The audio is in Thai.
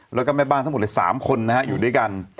และแม่บ้านทั้งหมด๓คนอยู่ด้วยกัน